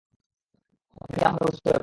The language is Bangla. ভাবিনি আম্মা এভাবে অসুস্থ হয়ে পড়বে।